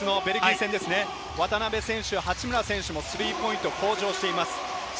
先日のベルギー戦、渡邊選手、八村選手もスリーポイントは向上しています。